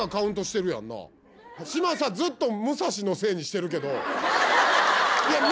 嶋佐ずっと宗三蒔のせいにしてるけど。